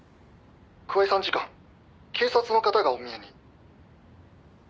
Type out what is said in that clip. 「桑井参事官警察の方がお見えに」